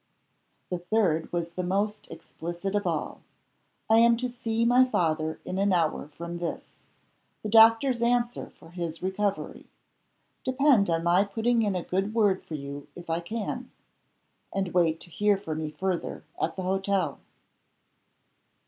The third was the most explicit of all. "I am to see my father in an hour from this. The doctors answer for his recovery. Depend on my putting in a good word for you, if I can; and wait to hear from me further at the hotel."